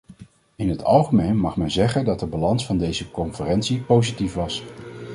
In het algemeen mag men zeggen dat de balans van deze conferentie positief was.